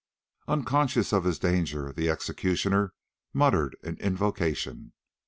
Unconscious of his danger, the executioner muttered an invocation.